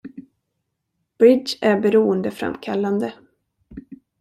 Bridge är beroendeframkallande.